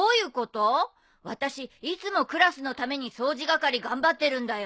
私いつもクラスのために掃除係頑張ってるんだよ。